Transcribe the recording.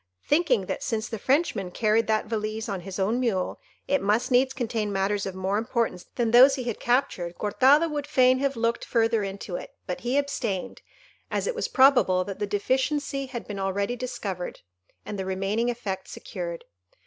Thinking that since the Frenchman carried that valise on his own mule, it must needs contain matters of more importance than those he had captured, Cortado would fain have looked further into it, but he abstained, as it was probable that the deficiency had been already discovered, and the remaining effects secured.